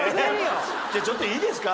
じゃあちょっといいですか？